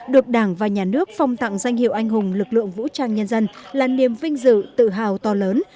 được đảng và nhà nước phong tặng danh hiệu anh hùng lực lượng vũ trang nhân dân là niềm vinh dự tự hào to lớn